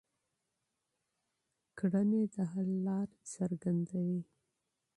چلن د حل لاره څرګندوي.